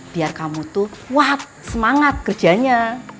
biar kamu tuh kuat semangat kerjanya